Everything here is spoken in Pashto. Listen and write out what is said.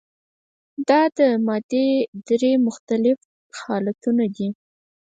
دا د مادې درې مختلف حالتونه دي.